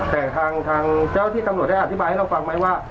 แต่ทางเจ้าที่ตำรวจได้อธิบายให้เราฟังไหมว่า